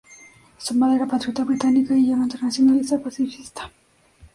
Su madre era patriota británica y ella una internacionalista pacifista.